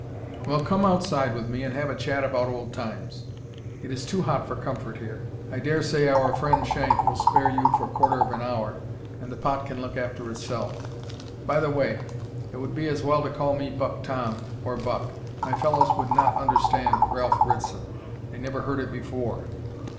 "Well, come outside with me, and have a chat about old, times. It is too hot for comfort here. I dare say our friend Shank will spare you for quarter of an hour, and the pot can look after itself. By the way, it would be as well to call me Buck Tom or Buck. My fellows would not understand Ralph Ritson. They never heard it before.